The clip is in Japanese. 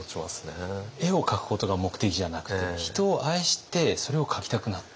絵を描くことが目的じゃなくて人を愛してそれを描きたくなった。